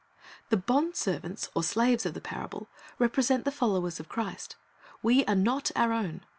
The "bondservants,"' or slaves, of the parable, represent the followers of Christ. We are not our own.